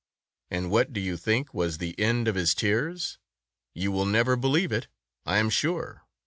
And what do you think was the end of his tears ? You will never believe it, I am sure.